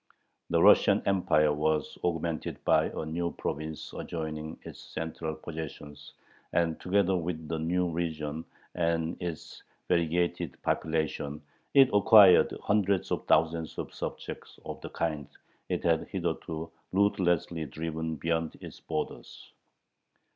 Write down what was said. The Russian Empire was augmented by a new province adjoining its central possessions, and together with the new region and its variegated population it acquired hundreds of thousands of subjects of the kind it had hitherto ruthlessly driven beyond its borders.